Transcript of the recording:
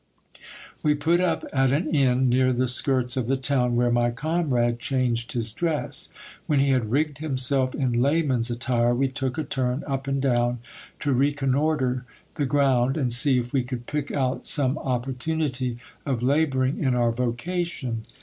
We put up at an inn near the skirts of the town, where my comrade changed his dress. When he had rigged himself in layman's attire, we took a turn up and down, to reconnoitre the ground, and see if we could pick out some oppor t inity of labouring in our vocation.